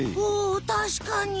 おたしかに。